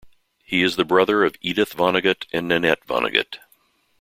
He is the brother of Edith Vonnegut and Nanette Vonnegut.